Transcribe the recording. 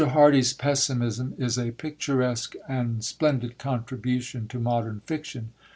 Hardy's pessimism is a picturesque and splendid contribution to modern fiction.